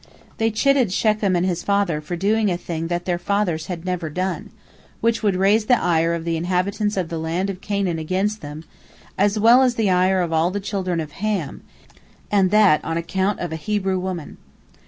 They chided Shechem and his father for doing a thing that their fathers had never done, which would raise the ire of the inhabitants of the land of Canaan against them, as well as the ire of all the children of Ham, and that on account of a Hebrew woman.